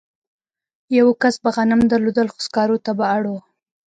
یوه کس به غنم درلودل خو سکارو ته به اړ و